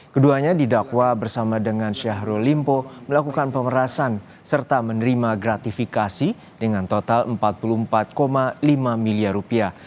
keduanya didakwa bersama dengan syahrul limpo melakukan pemerasan serta menerima gratifikasi dengan total empat puluh empat lima miliar rupiah